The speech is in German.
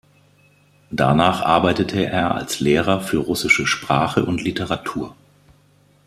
Danach arbeitete er als Lehrer für russische Sprache und Literatur.